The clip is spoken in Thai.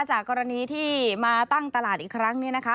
จากกรณีที่มาตั้งตลาดอีกครั้งเนี่ยนะคะ